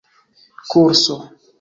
kurso